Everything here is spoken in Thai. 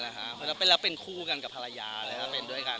แต่แหละเป็นคู่กันกับภรรยาเลยค่ะเป็นด้วยกัน